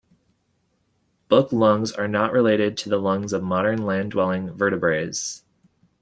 Book lungs are not related to the lungs of modern land-dwelling vertebrates.